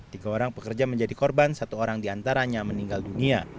tiga orang pekerja menjadi korban satu orang diantaranya meninggal dunia